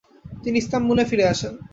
তিনি ইস্তাম্বুলে ফিরে আসেন।